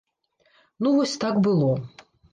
Ну вось так было.